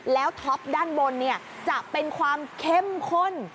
แล้วท็อปด้านบนจะเป็นความเข้มข้น